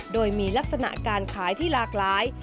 โดยมีลักษณะการขายที่หลากหลาย